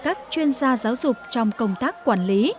các chuyên gia giáo dục trong công tác quản lý